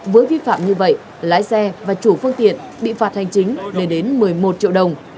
với vi phạm như vậy lái xe và chủ phương tiện bị phạt hành chính lên đến một mươi một triệu đồng